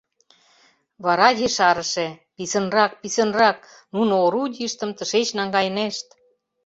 — Вара ешарыше — писынрак, писынрак, нуно орудийыштым тышеч наҥгайынешт.